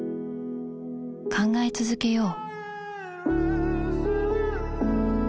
考え続けよう